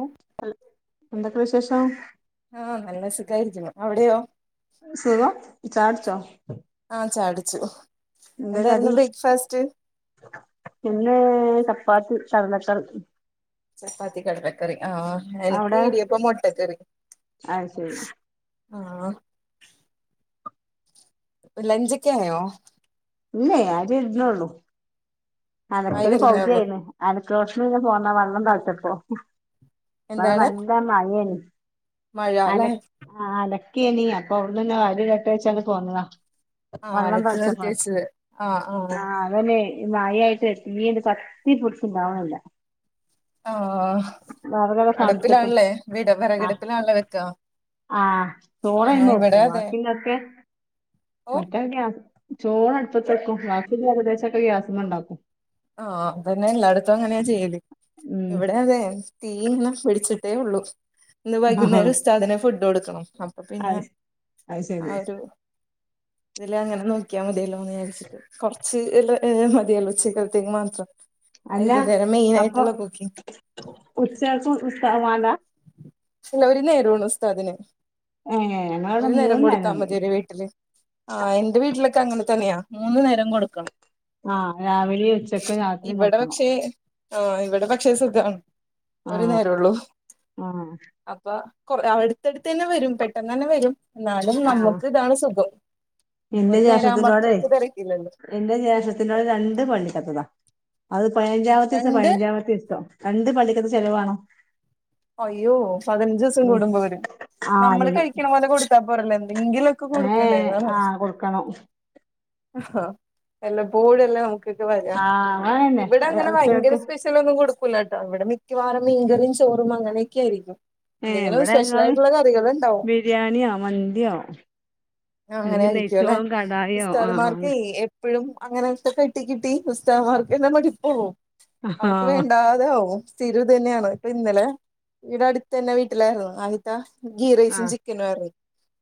ഓഹ്. ഹൽ എന്തൊക്കെ വിശേഷം. ആഹ് നല്ല സുഖായിരിക്ക്ണു അവിടെയോ? സുഖം ചായ കുട്ച്ചോ? ആഹ് ചായുട്ച്ചു എന്താകടി ഇന്ന് ചപ്പാത്തി കടലക്കറി. ചപ്പാത്തി കടലക്കറി ആഹ് എനിക്ക് അവിടെ ഇടിയപ്പം മൊട്ടക്കറിം. അത് ശരി ആഹ്. ലെഞ്ചൊക്കേയോ? ഇല്ലെയ് അരിഇട്ണൊള്ളൂ ആയി അലക്കല് വരുന്നേള്ളൂ പൗതിയായ്ന്നു അലക്ക്ണോട്ത്ത്ന്ന് പോന്നതാണ് വെള്ളം തൾച്ചപ്പൊ. ഇവടെ എന്താണ് നല്ല മഴേണ് മഴ അല അല്ലെ ആഹ് അലക്കേന് അപ്പൊ അവിട്ന്ന്ന്ന വ എട്ട വഴച്ചാണ്ട് പോന്നതാ. ആഹ് വള്ളം അലക്ക് തളച്ചാപ്പ നിർത്തി വെച്ചത് ആഹ് ആഹ്. അവനെ മയായിട്ട് തീണ്ട് കത്തി പിടിച്ചുണ്ടാവ്ണില്ല. ആഹ് തണ്ത്തിട്ടെ അട്പ്പിലാണ്ലേ വീട ആഹ് വിറകടുപ്പിലാണ്ല്ലേ വെക്കാ. ആഹ് ചോറയ്മെവെക്കും ബാക്കിള്ളൊക്കെ ഓ മറ്റേത് ഗ്യാ ചോറട്പ്പത്തക്കും ബാക്കിള്ള ഏകദേശൊക്കെ ഗ്യാസിമെണ്ടാക്കും. ആഹ് അതന്നെ എല്ലായിടത്തും അങ്ങനെയാചെയ്യല് ഉം ഇവിടെ അതെ തീ ഇങ്ങനെ പി ട്ടേ ഒള്ളൂ ഇന്ന് ആഹാ വൈകുന്നേരം ഉസ്താദിന് ഫുഡ് കൊട്ക്കണം. അപ്പൊ പിന്നെ അത് ശ- അത് ശരി ആഹ് ഒരു. ഇതില് അങ്ങനെ നോക്കിയാമതിയല്ലോ എന്ന്വിചാര്ച്ചിട്ട് കൊർച്ച് മതിയല്ലോ ഉച്ചക്ക മാത്രം അല്ല വൈകുന്നേരം അപ്പൊ മെയിനായിട്ട്ള്ള കുക്കിംഗ് ഉച്ചക്ക് ഉസ്താത് വാണ്ടാ. ഇല്ല ഒരു നേരള്ളു ഉസ്താദിന് ഏ ഞങ്ങളവിടെ ഒരു നേരം മൂന്ന് കൊടുത്താ നേരണ്ട്. മതി ഒരു വീട്ടില്. ആഹ് എന്റെ വീട്ടിലൊക്കെ അങ്ങനെ തന്നെയാ മൂന്ന് നേരം കൊടുക്കണം. ആഹ് രാവിലിം ഉച്ചക്കും രാത്രിം കൊടുക്കണം ആഹ് ഇവിടെ പക്ഷേ സുഖാണ് ഒരു ആഹ് നേരംള്ളൂ. ആഹ്. അപ്പൊ കൊ അട്ത്തെട്ത്തെന്നെ വരും പെട്ടന്നന്നെവരും. ന്നാലും ആഹ് നമ്മക്ക് ഇതാണ് സുഖം എന്റെ ഒരു നേരാവുമ്പൊ ജേഷ്ഠത്തിനോടെ അത്രക്ക് തെരക്കില്ലല്ലോ. എന്റെ ജേഷ്ടത്തിന്റോട് രണ്ട് പള്ളിക്കത്തതാ അത് പതിനഞ്ചാമത്തീസം രണ്ട് പതിനഞ്ചാമത്തീസം. രണ്ട് പള്ളിക്കത്തെ ചെലവാണം. അയ്യോ പതിനഞ്ചിവസം ഉം കൂടുമ്പോ വരും ആഹ് നമ്മള് വരും കഴിക്ക്ണ പോലെ കൊടുത്താ പോരല്ലോ എന്തെങ്കിലും. ക്കെ കൊടുക്കണ്ടേ ഏഹ് അതാണ് ആഹ് കൊടുക്കണം വല്ലപ്പോഴല്ലെ നമുക്ക് വര ആഹ് അങ്ങനെന്നെ ഇവ്ടങ്ങനെ ഭയങ്കര ഉച്ചക്ക് സ്പെ ലൊന്നും കൊടുക്കൂലട്ടോ ഇവിടെ മിക്കവാറും മീൻകറിയും ചോറും അങ്ങനൊക്കായിരിക്കും. ഏ എന്തെങ്കിലും ഇവിടെ ഞങ്ങള് സ്പെഷലായിട്ടുള്ള കറികൾ ഉണ്ടാവും. ബിരിയാണിയോ മന്തിയോ. ആഹ് അല്ലെങ്കിൽ അങ്ങനായിരിക്കുലേ നെയ്ച്ചോറും കടായിയോ ആ ഉസ്താദ്മാർക്കെയ് എ എപ്പഴും അങ്ങനൊക്കെ കിട്ടികിട്ടി ഉസ്താദ്മാർക്കന്നെ മടിപ്പാവും. ആ അവർക്ക് വേണ്ടാതാകും. സ്ഥിരം ഇത് തന്നെയാണ് ഇപ്പ ഇന്നലെ ഇവ്ടെ അടുത്ത് തന്നെ വീട്ടിലാരുന്നു ആദ്യത്ത ഗീ ആ റൈസും ചിക്ക് ക്കനും ആരുന്നു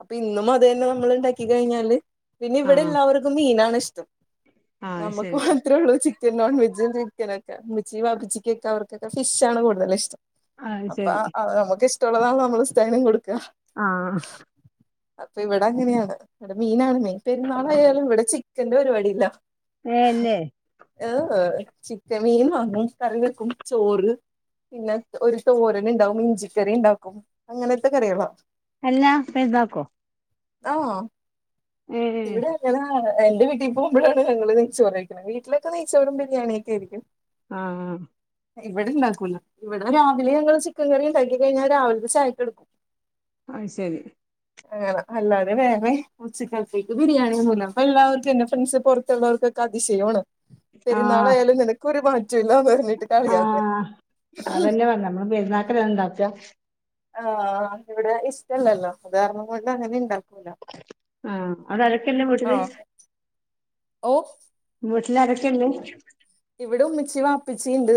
അപ്പ ഇന്നും അത് തന്നെ നമ്മള് ഉണ്ടാക്കി കഴിഞ്ഞാല് പിന്നെ ആ ഇവിടെ എല്ലാവർക്കും മീനാണ് ഇഷ്ടം ആ നമ്മുക്ക് ശരി മാ ത്രേ ഉള്ളൂ ചിക്കൻ നോൺ വെജും ചിക്കനൊക്കെ ഉമ്മച്ചി വാപ്പച്ചിക്കൊക്കെ അവർക്കൊക്ക ഫിഷ് ആണ് കൂടുതല് ഇഷ്ടം ആ അപ്പ ശരി അത് നമുക്ക് ഇഷ്ടമുള്ളതാണല്ലോ നമ്മള് ഉസ്താനും കൊടുക്കാ ആ അപ്പ ഇവട് ഇവിടങ്ങ്നെയാണ് ഇവിടെ മീനാണ് മെയിൻ പെരുന്നാളായാലും ഇവിടെ ചിക്കന്റെ പരിപാടി ഇല്ല ഏ ഇല്ലേ ഏഹ്ചിക്കൻ മീൻ വാങ്ങും കറി വെക്കും ചോറ് പിന്ന ഒരു തോരന്ണ്ടാവും ഇഞ്ചിക്കറി ഉണ്ടാക്കും അങ്ങനത്തെ കറികളാ അല്ലാം പെരുന്നക്കോ ഏ ആഹ്ഇവ്ടെ ഞാനാ എന്റെ വീട്ടി ഇപ്പം പോകുമ്പഴാണ് ഞങ്ങള് നെയ്ച്ചോറ് കഴിക്കണ. വീട്ടിലൊക്ക നെയ്ച്ചോറും ബിരിയാണിയക്ക ആയിരിക്കും ആഹ് ആഹ് ഇവടെ ഇണ്ടാക്കൂല ഇവടെ രാവിലെ ഞങ്ങള് ചിക്കൻ കറിയും കഴ്കി കഴിഞ്ഞാ. രാവിലത്തെ ചായക്കെടുക്കും എടുക്കും [inaudible] അത് ശരി അങ്ങന അല്ലാതെ വേറെ ഉച്ചക്കൽ എനിക്ക് ബിരിയാണി എന്നുന്ന അപ്പ എല്ലാവർക്കും എൻ്റെ ഫ്രണ്ട്സ് പൊറത്തുള്ളോർക്കൊക്ക അതിശയോണ് ആ പെരുന്നാളായാലും നെനക്കൊരു മാറ്റം ഇല്ലാന്ന് പറഞ്ഞ് ആഹ് അതന്നെ പറഞ്ഞ നമ്മള് പെരുന്നാക്കല് ഇണ്ടാക്കാ ആഹ് ഇവടെ ഇഷ്ടല്ലല്ലോ അത് കാരണം കൊണ്ട് അങ്ങനെ ഇണ്ടാക്ക ആ അവടെ ആരക്ക ഇണ്ട് വീട്ടില് ആഹ് ഓ വീട്ടില് ആരക്ക ഉണ്ട് ഇവ്ടെ ഉമ്മച്ചി വാപ്പച്ചി ഇണ്ട്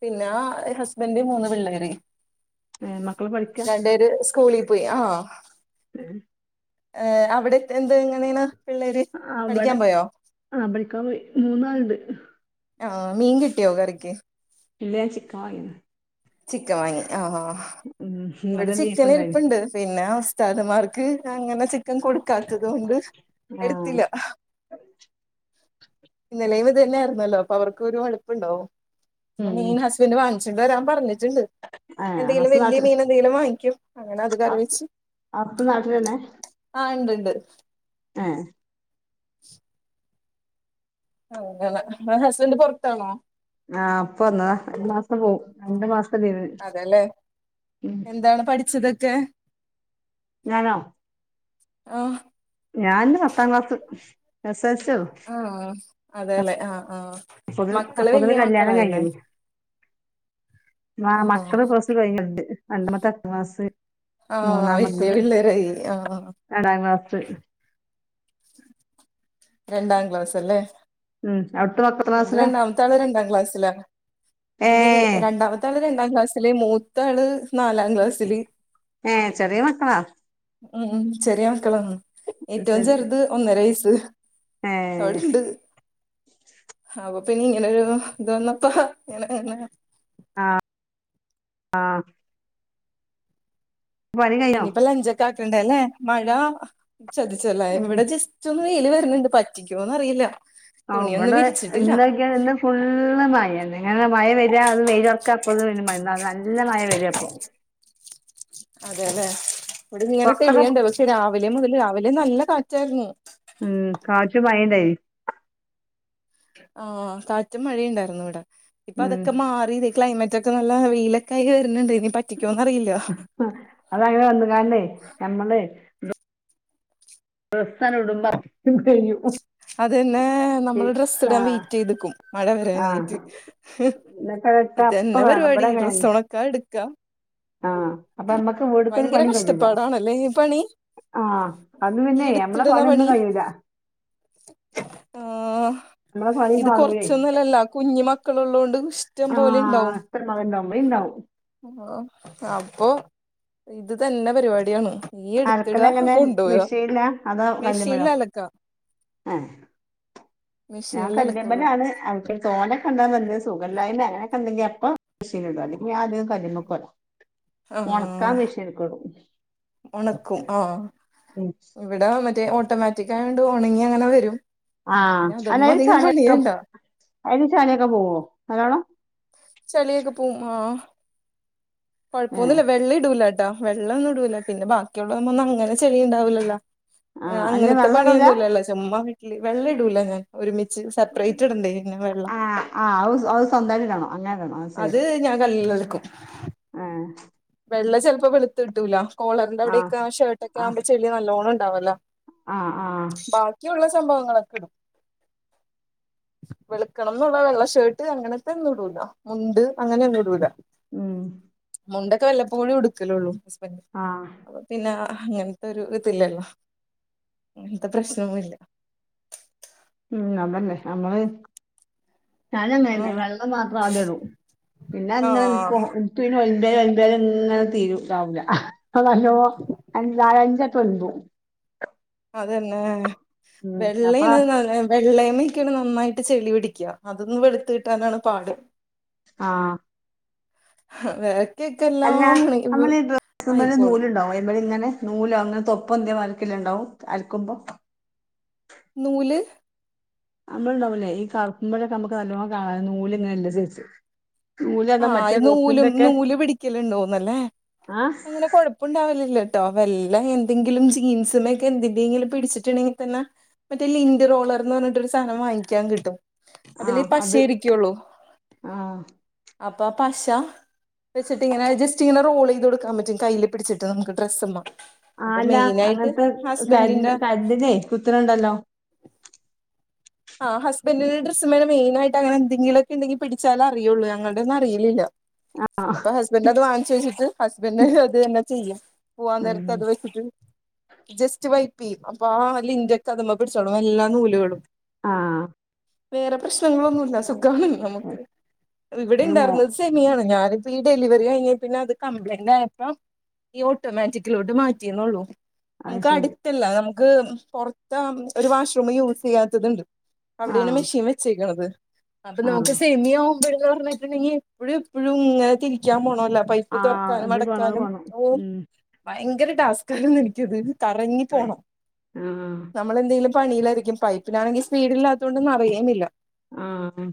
പിന്നാ ഹസ്ബൻ്റ് മൂന്ന് പിള്ളേര് ഏ മക്കള് പഠിക്കാ സ്കൂളി പോയി ആഹ ഏ ഏഹ് അവ്ടെ ഇത്ര എന്താ ഇങ്ങനേണാ അവടെ ആഹ് അവിട മൂന്നാളുണ്ട് ആഹ് മീൻ കിട്ടിയോ കറിക്ക് ഇല്ല ചിക്കൻ വാങ്ങിയാന്ന് ചിക്കൻ വാങ്ങി ആഹ് ഹാ ഉം ഇവടെ ഇന്നലെ ബീഫ് ചിക്കൻ ഉണ്ടായിന് ഇരിപ്പുണ്ട് പിന്നാ ഉസ്താദ് മാർക്ക് അങ്ങനെ ചിക് ക്കൻ കൊടുക്കാത്തത് കൊണ്ട് ആ എടുത്തില്ല ഇന്നലെയും ഇത് തന്നെയാർന്നല്ലോ അപ്പൊ അവർക്കൊരു മടുപ്പുണ്ടാവു അപ്പം ഉം മീന് ഹസ്ബൻ്റ് വാങ്ങിച്ചോണ്ട് വരാൻ പറഞ്ഞിട്ടുണ്ട് ഏഹ് എന്തെങ്കിലും ഹസ് വല്യ നാട്ട് മീന് എന്തെങ്കിലും വാങ്ങിക്കും അങ്ങനെ അത് കറിവച്ച് അസ്സ്നാട്ടില് തന്നെ ആഹ് ഇണ്ട് ഇണ്ട് ഏ അങ്ങനെ നിങ്ങള ഹസ്ബൻ്റ് പൊറത്താണോ ആഹ് അപ്പൊ വന്നതാ ഈ മാസം പോവും രണ്ടു മാസം അതെല്ലേ എന്താണ് പഠിച്ചതൊക്കെ ഞാനോ ആഹ ഞാന് പത്താം ക്ലാസ് എസ് എൽ സി ഒള്ളു ഉം അതേല്ലേ ആഹ് ആഹ് അപ്പോതിന് അപ്പൊതിന് കല്യാണം കഴിഞ്ഞണ് ആഹ് ആ മക്കള് [unintelligible] കഴിഞ്ഞിണ്ട് [unintelligible] ആഹ് വല്ല്യേ പിള്ളേരായി ആഹ് രണ്ടാ ക്ലാസ് രണ്ടാ ക്ലാസല്ലേ ഉം അവിടുത്തെ മക്കള് എത്രാം എന്റെ ക്ലാസ്സിലാ രണ്ടാമത്താള് രണ്ടാ ക്ലാസ്സിലാണ് ന്റെ ഏഹ് രണ്ടാമ ത്തെ ആള് രണ്ടാ ക്ലാസില് മൂത്താള് നാലാം ക്ലാസ് ഏഹ് ചെറ്യേ മക്കളാ ഉം ചെറ്യേ മക്കളാണ് അത് ഏറ്റവും ശരി ചെർത് ഒന്നര വയസ്സ്. ഏഹ് അവടെണ്ട് അപ്പ പിന്നെ ഇങ്ങനൊര്ത് വന്നപ്പ ഇങ്ങനെ ങ്ങനെ ആഹ് ആഹ് പണി കഴിഞ്ഞോ ഇനിപ്പ ലഞ്ചൊക്കെ ആക്കണ്ടലേ മഴ ചതിച്ചല്ലേ ഉം ഇവടെ ജസ്റ്റ് റ്റൊന്ന് വെയ്ല് വര്ണ് ണ്ട് പറ്റിക്കോന്നറീല്ല. ആഹ് ഇബടെ ഇന്നൊക്കെ ഇന്ന് ഫുള്ള് മഴന്നെ ഇങ്ങനെ മഴ വെരാ അത് വെയ്ലർക്കാ ഇപ്പ നല്ല മഴ നല്ല മഴ വെരാപ്പൊ അതെല്ലെ ഇവടെ ഇങ്ങനെ പൊറത്തൊക്കെ തെളിയണ്ട് പക്ഷെ രാവിലെ മുതൽ രാവിലെ നല്ല കാറ്റായിരുന്നു ഉം കാറ്റും മയീണ്ടായ്നിം ആഹ് കാറ്റും മഴീണ്ടാര്ന്നു വടെ ഇപ്പ ഉം തൊക്കെ മാറി തെ ക്ലൈമറ്റ് റ്റൊക്കെ നല്ല വെയ്ലൊക്കായി വര്ണ് ണ്ട് ഇനി പറ്റിക്കോന്നറിയില്ല അതങ്ങനെ വന്ന്ങ്ങാണ്ടെയ് ഞമ്മളളെയ് ഡ്രെസ്സണ് ഇടുമ്പം [unintelligible] കഴിയും അതന്നെ നമ്മള് ഡ്രസ്സ് ഇടാം വെയ്റ്റെയ്ത്ക്കും മഴ ആഹ് വരാനായ്റ്റ് ഇന്നൊക്കെ ഇട്ട അപ്പ ഇതന്നെ പര്പാടി ഇവിടെ അങ്ങനെയാണ് ഡ്രസ്സൊണക്കാ ഇട്ക്കാ ആഹ് അപ്പൊ നമ്മക്ക് ഇവിടുത്തെ ഒരു ഭയങ്കര പണിയും കഴിയൂല കഷ്ട്ടപ്പാടാണല്ലേ ഈ പണി ആഹ് അത് ഈ പിന്നെയ് നമ്മളെ എടുത്തിടണ പണ്യോന്നും പണി കയ്യൂല. ആഹ് നമ്മളെ പണി ഇത് കാണൂലേ കൊർച്ചൊന്നല്ലല്ലോ കുഞ്ഞി മക്കള്ള്ളോണ്ട് ഇഷ്ട്ടം പോലെ ണ്ടാവും. ഇഷ്ടം പോലെണ്ടാവും ഇവിടേ ഉണ്ടാവും ഓഹ് അപ്പൊ ഇത് തന്നെ പര്പാട്യാണ് അലക്കലെങ്ങെനെ മിഷീൻലാ അതോ മെഷീനിൽ കല്ല്മലോ അലക്കാ ഏഹ് ഞാൻ മെഷീനിൽ അലക്കുള്ളൂ കല്ല്മ്മലാണ് അൽക്കൽ തോനെക്കേ ഉണ്ട്ന്ന്ണ്ടെങ്കി സുഖല്ലായ്മെ അങ്ങനെക്കെണ്ടെങ്കി അപ്പൊ മ്ഷീൻല്ടും അല്ലേൽ ഞാ അധികം കല്ല്മ്മക്ക് പോകലാ ആഹ് ഒണക്കാൻ മ്ഷീൻക്ക്ടും ഒണക്കും ആഹ് ഉം ഇവടെ മറ്റേ ഓട്ടോമാറ്റിക്കായോണ്ട് ഒണങ്ങി അങ്ങനെ വെരും ആഹ് അയ്ല് ചള്യോക്കെ അയ്ല് ചള്യോക്കെ പോവോ നല്ലോണം ചെള്യോക്കെ പോവും ആഹ് ഏ കൊഴപ്പൊന്നൂല്ല വെള്ള ഇടൂല വെള്ളെന്നു ടൂല പിന്നെ ബാക്കിള്ളത് മ്മെന്നങ്ങനെ ചെളി ണ്ടാവില്ലല്ലോ ആ ആഹ് അല്ല അങ്ങനത്തെ വെള്ളം ഇടൂല പണ്യോന്നു ല്ലല്ലോ ചുമ്മാ വീട്ട്ല് വെള്ള ഇടൂല ഞാൻ ഒരുമിച്ച് സെപ്പറേറ്റ് ഇടണ്ടേ പിന്നെ വെള്ള ആഹ് അത് സ്വന്തായ്റ്റ്ടണം അങ്ങനെ ടണം അത് ഞാൻ കല്ലിലലക്കും ഏ വെള്ള ചെലപ്പോ വെള്ത്ത് കിട്ടൂല കോളറിന്റെ ആ അവടെക്കെ ഷർട്ടക്കെ ആ ആകുമ്പോ ചെളി നല്ലോണം ണ്ടാവല്ലോ ആ ആ ബാ ക്കി ഉള്ള സംഭവങ്ങളൊക്കെടും വെള്ക്കണം ന്ന്ള്ള വെള്ള ഷേട്ട് അങ്ങനത്തെന്നും ഇടൂല മുണ്ട് അങ്ങനെ ന്നുടൂല ഉം മുണ്ടൊക്കെ വല്ലപ്പോഴും ഇട്ക്കലൊള്ളൂ ഹസ്ബൻന്റ് ആഹ് അപ്പൊ പിന്നെ അങ്ങനത്തെ ഒരു തില്ലല്ലോ അങ്ങനത്തെ പ്രശ്നോന്നുല്ല ഉം അതല്ലേ നമ്മള് ഞാനുഅങ്ങന്നെന്നെ വെള്ളം മാത്ര ആദ്യടൂ പിന്നെ ആ ആ അങ്ങനെ പിന്നെ ഓല്മ്പിയാലും ഓല്മ്പിയാലും ഇങ്ങനെ തീര് താവൂല്ല നല്ലോ നാലഞ്ചട്ടോല്മ്പുമ് അതന്നെ ഉം അപ്പൊ വെള്ളെണ് നാലെ വെള്ളയ്മ്മക്കാണ് നന്നായിട്ട് ചെളി പിടിക്ക അതൊന്നു വെള്ളുത്ത് കിട്ടാനാണ് പാട് ആഹ് അഹ് വേറെ അല്ല ഞമ്മള് ഈ ഡ്രസ്സ്‌മ്മല് ആയിക്കോളും നൂല്ണ്ടാവൊ അയ്മല്ങ്ങനെ നൂലോ അങ്ങനെ തൊപ്പോന്തിയ മാര്ക്കല്ലെ ണ്ടാവും അല്ക്കുമ്പോ നൂല് നമ്മളുണ്ടാവുല്ലേ ഈ കർപ്പുമലൊക്കെ നമ്മക്ക് നല്ലോണം കാണാം നൂല ഇങ്ങനെള്ള സൈസ് നൂലർഞ്ഞാ ആഹ് മറ്റേ നൂലും ഡ്രസ്സിന്റൊക്കെ നൂല് പിടിക്കലുണ്ടോന്നല്ലേ ആഹ് അങ്ങനെ കൊയ്പല്യ കൊയ്പ്പ ണ്ടാവലില്ലോ ട്ടോ വല്ലാം എന്തെങ്കിലും ജീൻസുമേ ഒക്കെ എന്തെങ്കിലും പിടിച്ചിട്ടുണ്ടെങ്കി തന്നെ മറ്റേ ലിന്റ് റോളർ എന്ന് പറഞ്ഞിട്ട് ഒരു സാധന വാങ്ങിക്കാൻ കിട്ടും അതില് ആഹ് അത് ആഹ് അപ്പആഹ് പശ വെച്ചട്ടിങ്ങനെ ജസ്റ്റ് ഇങ്ങനെ റോൾ ചെയ്ത് കൊടുക്കൻ പറ്റും കയിൽ പിടിച്ചിട്ട് നമ്മുക്ക് ഡ്രസ്മ്മെ ആഹ് അല്ല അങ്ങനത്തെ ക കര്ണ്ടിനെയ് കുത്ത്ണ്ണ്ടല്ലോ ആഹ് ഹസ്ബൻഡറിന്റെ ഡസ്സ് മേ മെയിനായിട്ട് അങ്ങനെന്തെങ്കിലുംക്കെ ഉണ്ടെങ്കിൽ പിടിച്ചാല അറിയയുള്ളൂ ഞങ്ങള ഒന്നും അറിയലില്ല ആഹ് അപ്പൊ ഹസ്ബന്റ് അത് വാങ്ങിച്ച് വിച്ചിട്ട് ഹസ്ബന്റ് അത് തന്നെ ചെയ്യാം പോവാൻ ഉം നേരത്ത് അത് വെച്ചിട്ട് ജസ്റ്റ് വൈപ്പ് അപ്പൊ ആഹ് ലിന്റെക്കെ അതുമമ്പ പിടിച്ചോളും എല്ലാ നൂലുകളും ആഹ് വേറെ പ്രശ്നങ്ങളൊന്നുല്ല സുഖാണ് നമുക്ക് ഇവിടെ അത് മോ ണ്ടായിര്ന്ന് ശമിയാണ് ഞാനിപ്പ ഈ ഡെലിവറി കഴിഞ്ഞെൽ പിന്നെ അത് കംപ്ലയിന്റ് ആയപ്പം ഈ ഓട്ടോമാറ്റിക്കിലോട്ട് മാറ്റിന്നൊള്ളൂ അത് നമുക്ക് ശരി അടുത്തല്ല നമുക്ക് പൊറത്ത ഒരു വാഷ്റൂം യൂസ് ചെയ്യാത്തത്ണ്ട് അവിടൊണ് ആഹ് മെഷീൻ വെച്ചേക്ക്ണത് അപ്പൊ നമുക്ക് ആഹ് സേമിയോ പറഞ്ഞിട്ടുണ്ടെങ്കി എപ്പഴും എപ്പഴുങ്ങനെ തിരിക്കാൻ പോണല്ലോ പൈപ്പ് ആഹ് തുറക്കാനും അത് വേണം അത് അടക്കാനും വേണം ഓഹ് ഉം ഭയങ്കര ടാസ്കാര്ന്ന് എനിക്ക് കറങ്ങി ആഹ് പോണം നമ്മളെന്തെങ്കിലും പണിയിലായിരിക്കും പൈപ്പിനാണെങ്കിൽ സ്പീഡില്ലാത്തുകൊണ്ട് നറയേമില്ല ആഹ്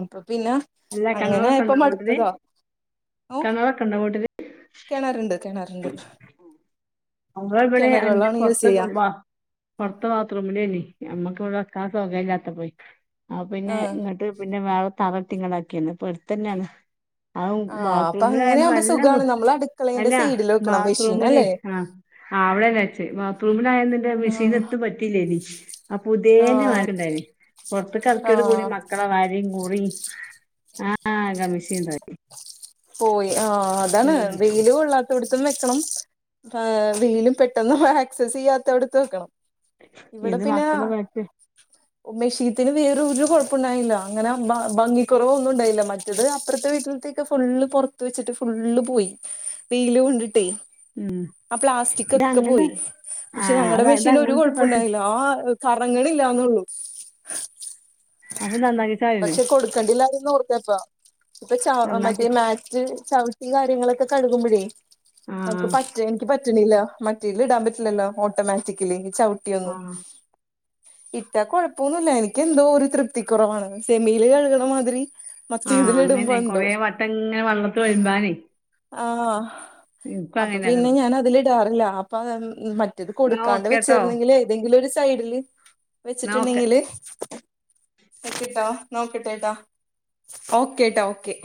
അപ്പൊ പിന്നെ അല്ല അങ്ങനെയപ്പ മടുത്തത കെണറകണ്ടോ വീട്ടില് കെണാറ്ണ്ട് കെണാറ്ണ്ട് നമ്മൾ ബടെ അന്റെ യൂസ് പൊർത്ത് ചെയ്യാ കുൾബാ പുറത്തെ ബാത്റൂമിലേയ്നി നമ്മക്ക് ബടെ വെക്കാൻ സൗഗര്യം ഇല്ലാത്ത പോയ് ആഹ് ആ പിന്നെ ഇങ്ങട്ട് പിന്നെ വേറ തറട്ടങ്ങനക്കിയാണ് പ്പടുത്തന്നെണ് ആഹ് ആ അപ്പൊ ബാത്റൂമിലായന്ന് അങ്ങനെയാകുമ്പോ നല്ല സുഖാണ് നമ്മൾ അടുക്കളേന്റെ അല്ല സൈഡിൽ വെക്കണം മെഷീൻ ബാത്റൂമ് ലയ് അല്ലേ ആഹ് ആഹ് അവിടെന്നെച്ചേ ബാത്റൂമിലായന്ന് ന്റെ ആ മെഷീൻ എത്തും പറ്റല്ലയ്നി അപ്പ ആ പുതിയന്റെമാരിണ്ടയ്ന് പുറത്ത കറക്കിയോട് കൂടി ആ മക്കൾ മക്കളെ വരിം കുറിം ആക മിഷീന് താക്കി പോയി ആഹ് അതാണ് വെയിലു കൊള്ളാത്ത കൊള്ളാടുത്തോട്ത്തും വെക്കണം വെയിലു പെട്ടന്നു ആക്സസ് ചെയ്യാത്ത അടുത്ത് വെക്കണം ഇവിടെ ഇത് പിന്നെ മക്കള് പറ്റ മെഷീത്തിന് വേറരു കൊഴപ്പുണ്ടായില്ല അങ്ങനെ ഭംഗിക്കുറവ ഒന്നും ഉണ്ടായില്ല മറ്റത് അപ്പുറത്തെ വീട്ടിൽ അപ്പോർത്തക്കെ ഫുള്ള് പുറത്ത് വെച്ചിട്ട് ഫുള്ള് പോയി വെയില് കൊണ്ടിട്ടേ ഉം ആ പ്ലാസ്റ്റിക് ഇത് ഒക്കെ അങ്ങനെ പോയി പക്ഷെ ആഹ് അത ഞങ്ങടെ ഇത് മെഷീന് ഒരു അങ്ങനത്തെ പ്രശ് കൊഴപ്പുണ്ടായില്ല ആ കറങ്ങളില്ലാന്നുള്ളൂ അപ്പൊ നന്നാക്കിച്ചാഴിഞ്ഞോ കണ്ടില്ലാരുന്നൊ ഓട്ത്തെപ്പൊ റ്റാ ഹ് നന്നാക്കി മറ്റേ മാറ്റ് ചവിട്ടി കാര്യങ്ങളൊക്കെ കഴുകുമ്പോഴേ ആഹ് നമുക്ക് പറ്റ എനിക്ക് പ റ്റ്ണില്ല മറ്റേലിടാൻ പറ്റില്ലല്ലോ ഓട്ടോമാറ്റിക്കലി ചവിട്ടിയൊന്നും ആഹ് ഇട്ടാ കുഴപ്പൊന്നുല്ല എനിക്കെന്തോ ഒരു തൃപ്തി കുറവാണ് സെമിയില് കഴുകണമാതിരി ആഹ് മറ്റേതിലിടുമ്പോ അങ്ങനെ കൊറേ വട്ടം ങ്ങനെ വെള്ളത്തിലൊലുമ്പാനേ ആഹ് അപ്പൊ പിന്നെ അങ്ങനെയാണ് ഞാൻ അതിലിടാറില്ല അപ്പൊ മ റ്റേത് ന്നാ കൊടുക്കാണ്ട് ഓക്കേട്ടോ വെച്ചായിരുന്നെങ്കിൽ ഏതെങ്കിലും ഒരു സൈഡില് ന്നാ ഓക്കെ വെച്ചിട്ടുണ്ടെങ്കില് നിക്ക്ട്ടോ നോക്കട്ടെട്ടാ ഓക്കേ ട്ടാ ഓക്കെ